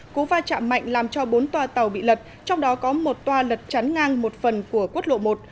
cố va chạm mạnh làm cho bốn tòa tàu bị lật trong đó có một tòa lật chắn ngang một phần của quốc lộ một